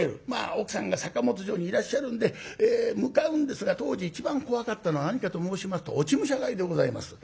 奥さんが坂本城にいらっしゃるんで向かうんですが当時一番怖かったのは何かと申しますと落ち武者狩りでございます。